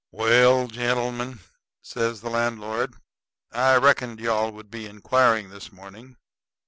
"Well, gentlemen," says the landlord, "I reckoned you all would be inquiring this morning.